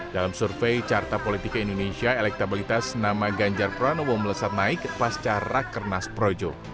dalam survei carta politika indonesia elektabilitas nama ganjar pranowo melesat naik pasca rakernas projo